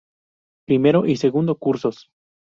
Primero y segundo cursos.